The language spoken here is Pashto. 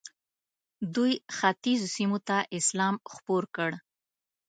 دوی ختیځو سیمو ته اسلام خپور کړ.